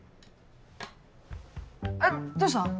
えっどうした！？